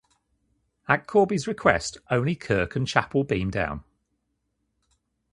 At Korby's request, only Kirk and Chapel beam down.